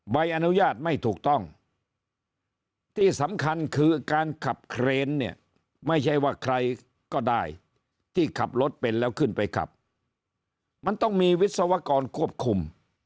ใบอนุญาตไม่ถูกต้องที่สำคัญคือการขับเครนเนี่ยไม่ใช่ว่าใครก็ได้ที่ขับรถเป็นแล้วขึ้นไปขับมันต้องมีวิศวกรควบคุม